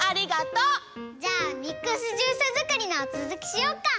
じゃあミックスジュースづくりのつづきしよっか。